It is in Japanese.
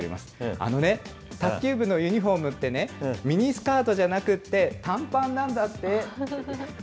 あのね、卓球部のユニホームってね、ミニスカートじゃなくって、短パンなんだって。